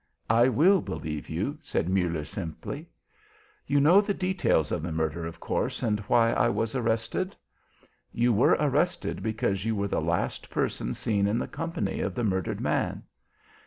"I will believe you," said Muller simply. "You know the details of the murder, of course, and why I was arrested?" "You were arrested because you were the last person seen in the company of the murdered man?"